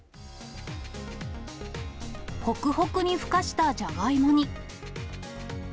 ほくほくにふかしたジャガイモに。